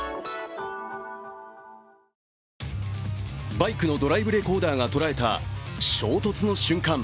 バイクのドライブレコーダーが捉えた衝突の瞬間。